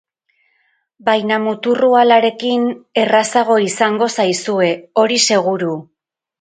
Baina mutur-uhalarekin errazago izango zaizue, hori seguru.